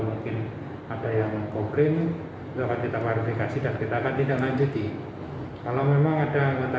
mungkin ada yang kobrin dapat ditanwaribkan sidas kita akan tidak lanjuti kalau memang ada anggota